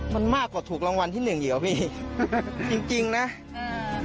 มันมากกว่าถูกรางวัลที่หนึ่งอีกเหรอพี่จริงจริงนะอ่า